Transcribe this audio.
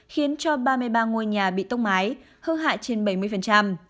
khiến cho ba mươi ba ngôi nhà bị tốc mái hư hại trên bảy mươi